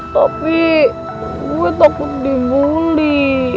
tapi gua takut dibully